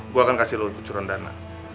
gue akan kasih lo kecuron dana